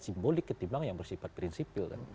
simbolik ketimbang yang bersifat prinsipil